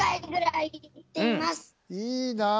いいなあ。